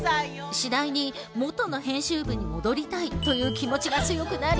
次第にもとの編集部に戻りたいという気持ちが強くなり。